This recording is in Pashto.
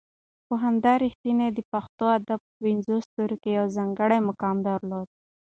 پوهاند رښتین د پښتو ادب په پنځو ستورو کې یو ځانګړی مقام درلود.